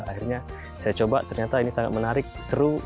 akhirnya saya coba ternyata ini sangat menarik seru